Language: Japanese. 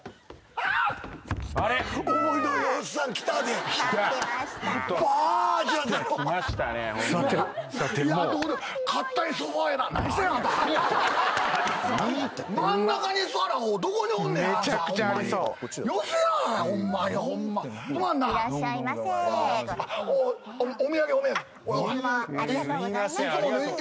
ありがとうございます。